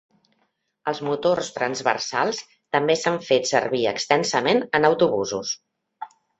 Els motors transversals també s'han fet servir extensament en autobusos.